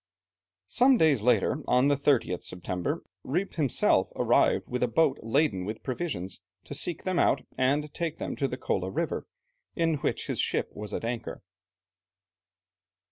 Some days later, on the 30th September, Rijp himself arrived with a boat laden with provisions, to seek them out and take them to the Kola River, in which his ship was at anchor.